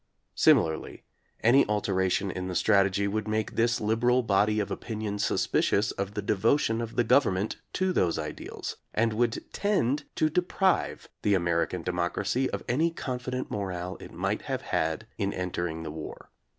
Similarly any alteration in the strategy would make this liberal body of opinion suspicious of the devotion of the Government to those ideals, and would tend to deprive the American democracy of any con fident morale it might have had in entering the war.